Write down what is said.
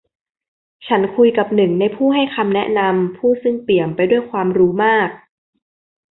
ฉันคุยกับหนึ่งในผู้ให้คำแนะนำ ผู้ซึ่งเปี่ยมไปด้วยความรู้มาก